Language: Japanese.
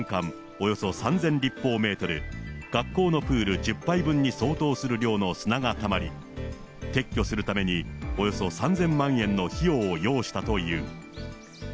およそ３０００立方メートル、学校のプール１０杯分に相当する量の砂がたまり、撤去するためにおよそ３０００万円の費用を要したという。